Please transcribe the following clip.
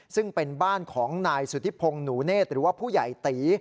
ซึ่งเป็นบ้านของนายสุธิพงศ์หนูเนธหรือว่าผู้ใหญ่ตี